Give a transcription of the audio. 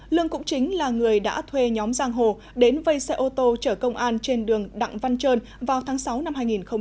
lương cũng chính là người đã thuê nhóm giang hồ đến vây xe ô tô chở công an trên đường đặng văn trơn vào tháng sáu năm hai nghìn hai mươi ba